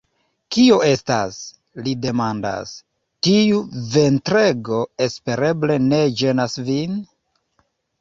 Kio estas?li demandas. Tiu ventrego espereble ne ĝenas vin?